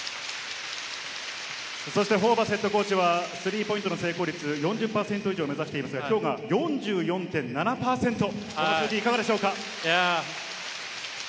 ホーバスＨＣはスリーポイントの成功率４０％以上を目指していましたが、きょうは４４．７％、いかがでしょうか？